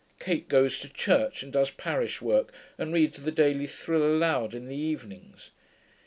Kate goes to church and does parish work, and reads the Daily Thrill aloud in the evenings.